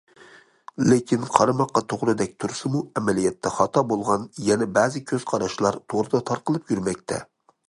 لېكىن، قارىماققا توغرىدەك تۇرسىمۇ، ئەمەلىيەتتە خاتا بولغان يەنە بەزى كۆز قاراشلار توردا تارقىلىپ يۈرمەكتە.